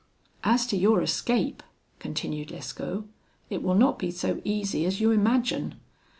"'As to your escape,' continued Lescaut, 'it will not be so easy as you imagine.